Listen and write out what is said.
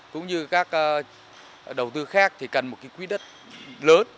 cũng như các đầu tư khác thì cần một cái quỹ đất lớn